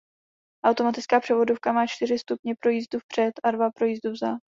Automatická převodovka má čtyři stupně pro jízdu vpřed a dva pro jízdu vzad.